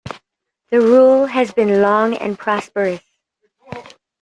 The rule has been long and prosperous.